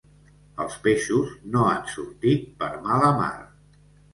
Els peixos no han sortit per mala mar.